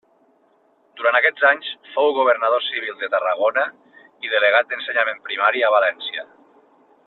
Durant aquests anys fou governador civil de Tarragona i delegat d'Ensenyament Primari a València.